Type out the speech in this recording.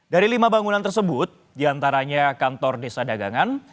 dari lima bangunan tersebut diantaranya kantor desa dagangan